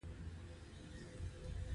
لاړې د خوړو په هضم کې مرسته کوي